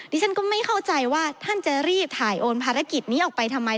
ฉันก็ไม่เข้าใจว่าท่านจะรีบถ่ายโอนภารกิจนี้ออกไปทำไม